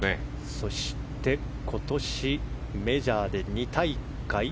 そして、今年メジャーで２大会。